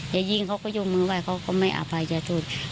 จะยิงเขาก็ยกมือไหว้เขาก็ไม่อภัยอย่าโทษ